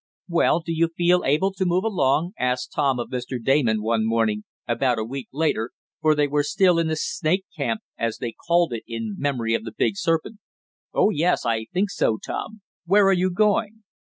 "Well, do you feel able to move along?" asked Tom of Mr. Damon one morning, about a week later, for they were still in the "snake camp," as they called it in memory of the big serpent. "Oh, yes, I think so, Tom. Where are you going?"